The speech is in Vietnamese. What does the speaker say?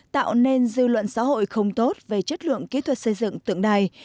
tạo nên dư luận xã hội không tốt về chất lượng kỹ thuật xây dựng tượng đài